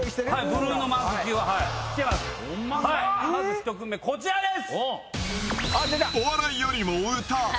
１組目こちらです！